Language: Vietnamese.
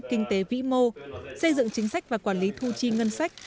kinh tế vĩ mô xây dựng chính sách và quản lý thu chi ngân sách